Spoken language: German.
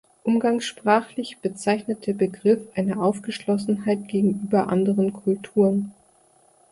Umgangssprachlich bezeichnet der Begriff eine Aufgeschlossenheit gegenüber anderen Kulturen.